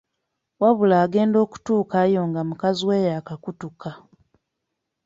Wabula agenda okutuukayo nga mukazi we yaakakutuuka.